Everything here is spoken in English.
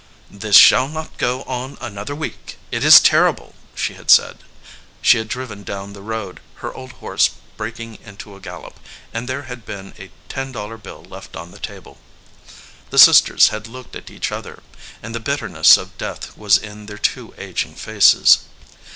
"This shall not go on another week. It is ter rible," she had said. She had driven down the road, her old horse breaking into a gallop, and there had been a ten dollar bill left on the table. The sisters had looked at each other, and the bit terness of death was in their two aging faces.